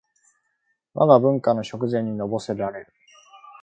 わが文化の食膳にのぼせられる